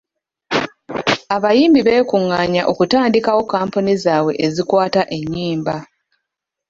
Abayimbi beekungaanya okutandikawo kkampuni zaabwe ezikwata ennyimba.